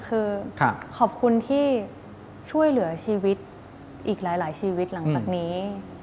คือขอบคุณที่ช่วยเหลือชีวิตอีกหลายชีวิตหลังจากนี้